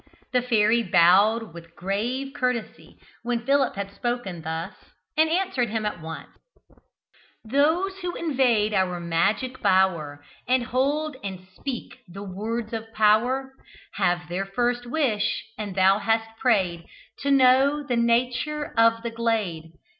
The fairy bowed with grave courtesy when Philip had spoken thus, and then answered him at once, "Those who invade our magic bower, And hold and speak the words of power, Have their first wish and thou hast prayed To know the nature of the glade.